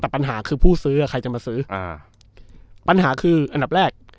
แต่ปัญหาคือผู้ซื้ออ่ะใครจะมาซื้ออ่าปัญหาคืออันดับแรก